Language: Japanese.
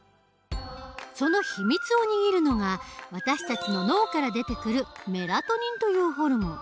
そのひみつを握るのが私たちの脳から出てくるメラトニンというホルモン。